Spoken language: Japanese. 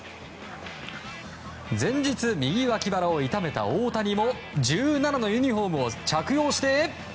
前日、右脇腹を痛めた大谷も１７のユニホームを着用して。